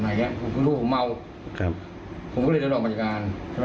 แต่จังหวะที่ผมเต้นผมไม่รู้ว่าผมไปผ่านฟังโดนพี่เขายังไงแบบไหนแหละ